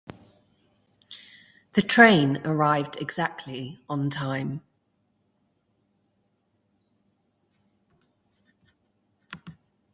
The train arrived exactly on time.